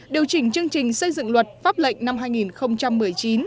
điều chỉnh chương trình xây dựng luật pháp lệnh năm hai nghìn một mươi chín